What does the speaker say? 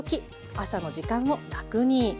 朝の時間を楽に」。